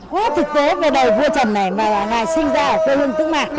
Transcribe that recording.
có thực tế về đời vua trần này mà là ngày sinh ra của hương tức mạc